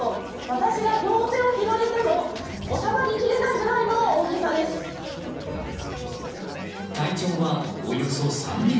私が両手を広げても収まり切れないぐらいの体長は、およそ３ｍ。